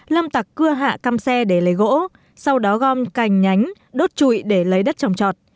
lâm tặc cưa hạ cam xe để lấy gỗ sau đó gom cành nhánh đốt trụi để lấy đất trồng trọt